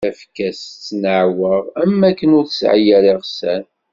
Tafekka-s tettnaɛwaɣ am wakken ur tesɛi ara iɣsan.